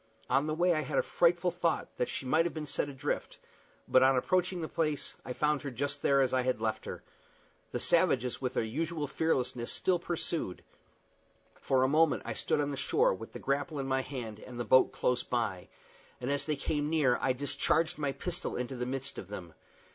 On the way I had a frightful thought that she might have been sent adrift; but, on approaching the place, I found her there just as I had left her. The savages, with their usual fearlessness, still pursued. For a moment I stood on the shore, with the grapple in my hand and the boat close by, and as they came near I discharged my pistol into the midst of them.